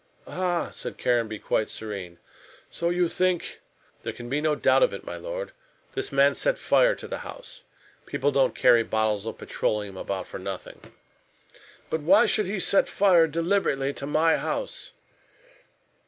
"Ah!" said Caranby, quite serene, "so you think " "There can be no doubt about it, my lord. This man set fire to the house. People don't carry bottles of petroleum about for nothing." "But why should he set fire deliberately to my house?"